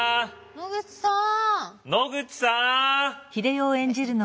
野口さん。